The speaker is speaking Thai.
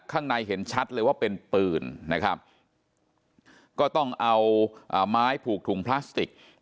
ข้างในเห็นชัดเลยว่าเป็นปืนนะครับก็ต้องเอาไม้ผูกถุงพลาสติก